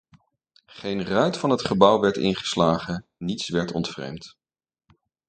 Geen ruit van het gebouw werd ingeslagen, niets werd ontvreemd.